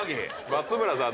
松村さん